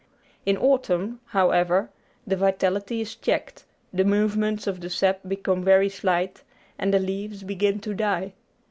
In autumn, however, the vitality is checked; the movements of the sap become very slight; and the leaves begin to die.